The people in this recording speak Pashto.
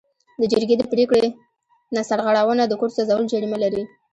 د جرګې د پریکړې نه سرغړونه د کور سوځول جریمه لري.